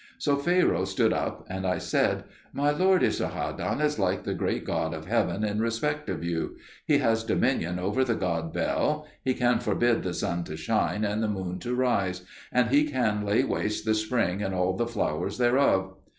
So Pharaoh stood up, and I said, "My lord Esarhaddon is like the great God of Heaven in respect of you: He has dominion over the god Bel, He can forbid the sun to shine and the moon to rise, and He can lay waste the spring and all the flowers thereof."